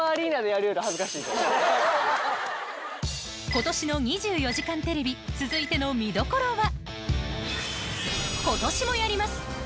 今年の『２４時間テレビ』続いての見どころは？